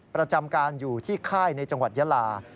ประจำการอยู่ที่ค่ายในจังหวัดยาลา